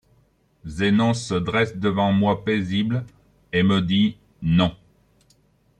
Zénon Se dresse devant moi paisible, et me dit: Non.